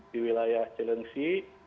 di wilayah jelengsi